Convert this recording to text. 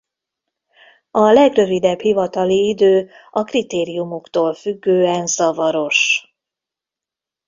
A legrövidebb hivatali idő a kritériumoktól függően zavaros.